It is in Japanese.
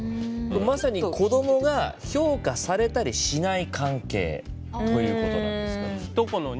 まさに、子供が評価されたりしない関係ということなんですね。